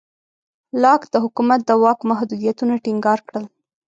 لاک د حکومت د واک محدودیتونه ټینګار کړل.